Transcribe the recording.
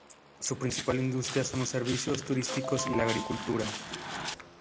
Su principal industria son los servicios turísticos y la agricultura.